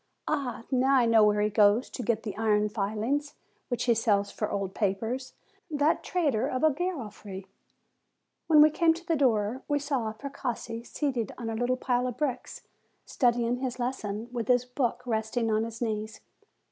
Ah! now I know where he goes to get the iron filings, which he sells for old papers, that trader of a Garofri ! When we came to the door, we saw Precossi seated on a little pile of bricks, studying his lesson, with his book resting on his knees.